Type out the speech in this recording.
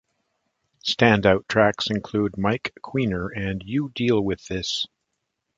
Standout tracks included "Mike", "Queener" and "You Deal With This".